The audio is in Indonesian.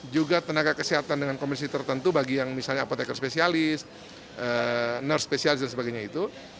juga tenaga kesehatan dengan komisi tertentu bagi yang misalnya apotekar spesialis nur specialis dan sebagainya itu